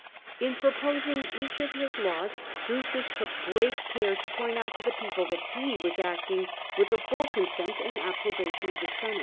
In proposing each of his laws, Drusus took great care to point out to the people that he was acting with the full consent and approbation of the Senate.